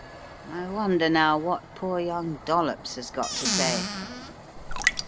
I wonder, now, what poor young Dollops has got to say?"